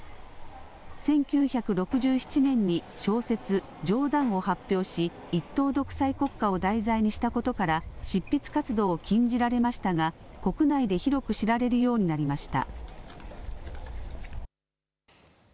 １９６７年に小説、冗談を発表し一党独裁国家を題材にしたことから執筆活動を禁じられましたが国内で広く知られるようになりました。